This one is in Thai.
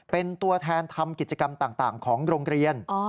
เป็นตัวแทนทำกิจกรรมต่างของโรงเรียน